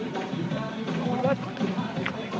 ตรงตรงตรง